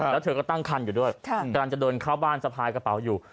แล้วเธอก็ตั้งคันอยู่ด้วยกำลังจะเดินเข้าบ้านสะพายกระเป๋าอยู่